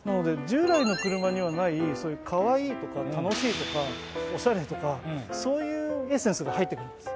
従来の車にはないカワイイとか楽しいとかオシャレとかそういうエッセンスが入ってくるんです